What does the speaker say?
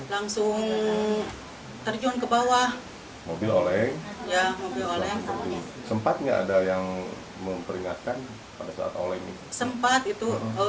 langsung terjun ke bawah mobil oleh ya sempatnya ada yang memperingatkan pada saat oleng sempat itu